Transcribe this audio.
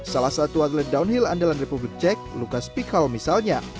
salah satu atlet downhill andalan republik cek lukas pikal misalnya